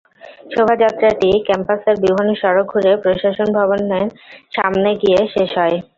শোভাযাত্রাটি ক্যাম্পাসের বিভিন্ন সড়ক ঘুরে প্রশাসন ভবনের সামনে গিয়ে শেষ হয়।